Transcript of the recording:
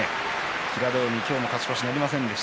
平戸海と今日の勝ち越しはありませんでした。